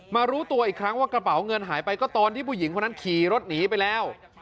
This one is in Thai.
รู้ตัวอีกครั้งว่ากระเป๋าเงินหายไปก็ตอนที่ผู้หญิงคนนั้นขี่รถหนีไปแล้ว